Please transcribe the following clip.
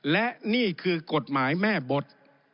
และนี่คือกฎหมายแม่บท